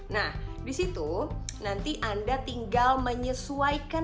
nah di situ nanti anda tinggal menyesuaikan